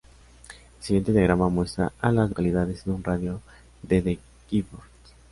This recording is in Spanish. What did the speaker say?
El siguiente diagrama muestra a las localidades en un radio de de Gifford.